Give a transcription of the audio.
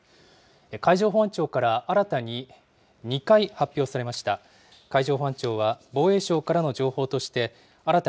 海上保安庁から新たに２回、発表されました。